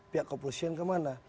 pihak kopulsi yang kemana